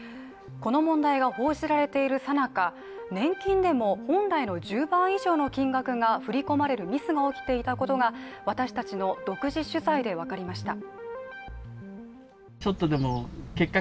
この問題が報じられているさなか、年金でも、本来の１０倍以上の金額が振り込まれるミスが起きていたことが私たちの独自取材で分かりました。